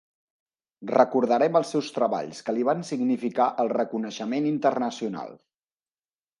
Recordarem els seus treballs que li van significar el reconeixement internacional.